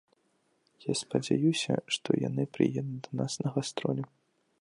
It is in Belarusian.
Я спадзяюся, што яны прыедуць да нас на гастролі.